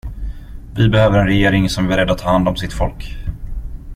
Vi behöver en regering som är beredd att ta hand om sitt folk.